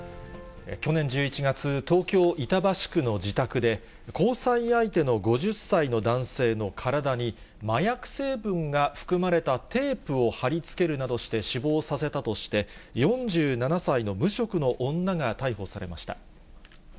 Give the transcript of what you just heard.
去年１１月、東京・板橋区の自宅で、交際相手の５０歳の男性の体に、麻薬成分が含まれたテープを貼りつけるなどして死亡させたとして、４７歳の無職の女が逮捕されました。